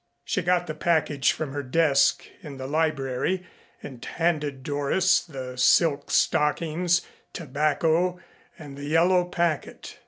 She got the package from her desk in the library and handed Doris the silk stockings, tobacco, and the yellow packet.